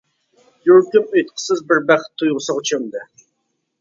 يۈرىكىم ئېيتقۇسىز بىر بەخت تۇيغۇسىغا چۆمدى.